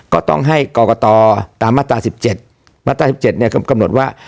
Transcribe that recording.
ก็ต้องให้กรกตอตามมาตราสิบเจ็ดมาตราสิบเจ็ดเนี้ยกำหนดว่า